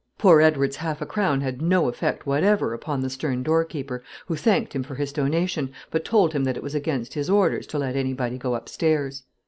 Poor Edward's half a crown had no effect whatever upon the stern door keeper, who thanked him for his donation, but told him that it was against his orders to let anybody go up stairs.